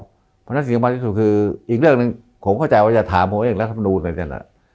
พอมันอาจจะคิดอย่างบ้างสิทธิ์ที่สุดอีกเรื่องนึงผมเข้าใจว่าจะถามเรื่องรัฐมนูญไงจน